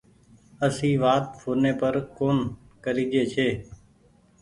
اسي وآتي ڦوني پر ڪون ڪريجي ڇي